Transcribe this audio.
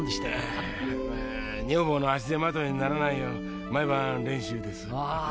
女房の足手まといにならないよう毎晩練習です。